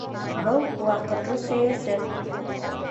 Был ваҡытлы сәйәсәт.